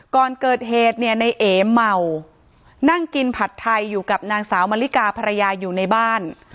ก่อนเกิดเหตุเนี่ยในเอเมานั่งกินผัดไทยอยู่กับนางสาวมะลิกาภรรยาอยู่ในบ้าน